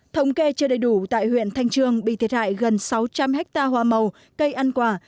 thống kê chưa đầy đủ tại huyện thanh trương bị thiệt hại gần sáu trăm linh hectare hoa màu cây ăn quả